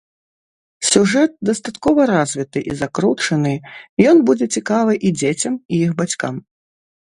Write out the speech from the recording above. Сюжэт дастаткова развіты і закручаны, ён будзе цікавы і дзецям, і іх бацькам.